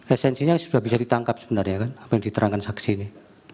esensinya sudah bisa ditangkap sebenarnya kan apa yang diterangkan saksi ini